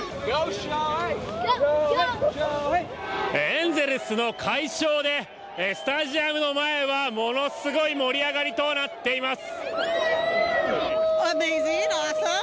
エンゼルスの快勝でスタジアムの前はものすごい盛り上がりとなっています！